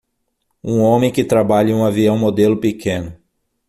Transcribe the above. Um homem que trabalha em um avião modelo pequeno.